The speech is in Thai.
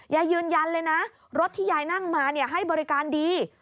ยืนยันเลยนะรถที่ยายนั่งมาให้บริการดี